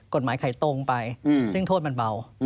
กฎหมายไขโตงไปซึ่งโทษมันเบา